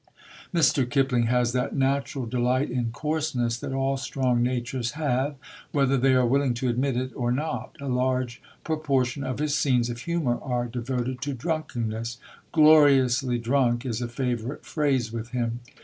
Mr. Kipling has that natural delight in coarseness that all strong natures have, whether they are willing to admit it or not. A large proportion of his scenes of humour are devoted to drunkenness: "gloriously drunk" is a favourite phrase with him.